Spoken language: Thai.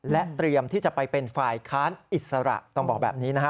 และเตรียมที่จะไปเป็นฝ่ายค้านอิสระต้องบอกแบบนี้นะฮะ